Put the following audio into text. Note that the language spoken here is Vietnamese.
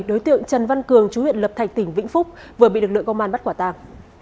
đối tượng trần văn cường chú huyện lập thạch tỉnh vĩnh phúc vừa bị lực lượng công an bắt quả tạp